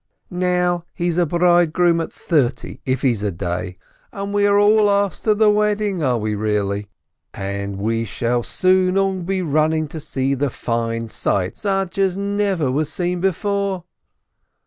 Now he's a bridegroom at thirty if he's a day, and we are all asked to the wedding, are we really ? And wo shall soon all be running to see the fine sight, such as never was seen before.